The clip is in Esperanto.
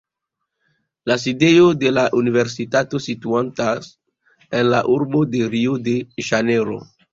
La sidejo de la universitato situantas en la urbo de Rio-de-Ĵanejro.